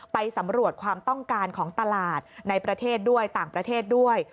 ไปสำรวจความต้องการของตลาดในประเทศด้วยต่างประเทศด้วย